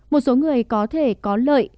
một số người có thể có lợi